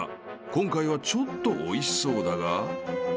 ［今回はちょっとおいしそうだが］